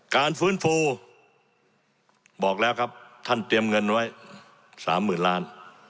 การฟื้นฟูบอกแล้วครับท่านเตรียมเงินไว้๓๐๐๐ล้าน